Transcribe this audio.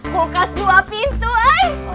kulkas dua pintu eh